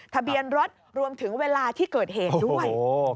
ทะเบียนรถรวมถึงเวลาที่เกิดเหตุด้วย